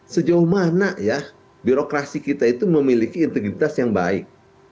sejauh mana ya birokrasi kita itu memiliki integritas yang baik